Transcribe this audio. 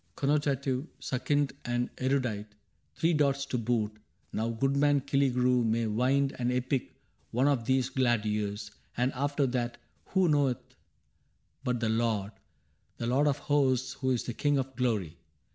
" Connotative, succinct, and erudite ; Three dots to boot. Now goodman Killigrew May wind an epic one of these glad years, And after that who knoweth but the Lord — The Lord of Hosts who is the King of Glory